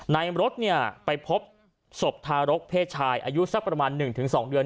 ในรถไปพบศพทารกเพศชายอายุสักประมาณ๑๒เดือน